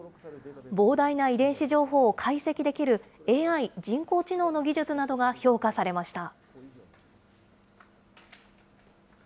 膨大な遺伝子情報を解析できるＡＩ・人工知能の技術などが評価されました。